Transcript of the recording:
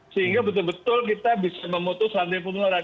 sehingga betul betul kita bisa memutuskan